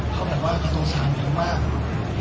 เขาแบบว่าเขาโทษภัณฑ์กันมาก